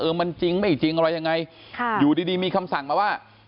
มันจริงไม่จริงอะไรยังไงค่ะอยู่ดีดีมีคำสั่งมาว่า